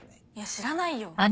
知らないよ！